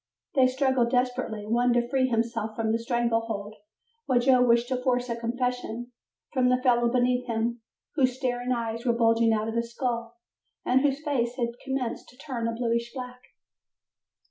They struggled desperately, one to free himself from the strangle hold, while Joe wished to force a confession from the fellow beneath him whose staring eyes were bulging out of his skull, and whose face had commenced to turn a bluish black.